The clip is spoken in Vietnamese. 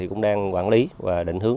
cũng đang quản lý và định hướng